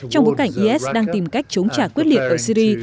trong bối cảnh is đang tìm cách chống trả quyết liệt ở syri